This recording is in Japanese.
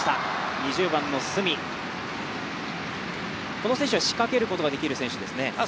この選手は仕掛けることができる選手ですね。